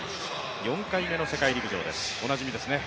４回目の世陸陸上ですねおなじみですね。